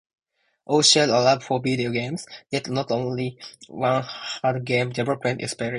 All shared a love for video games, yet only one had game development experience.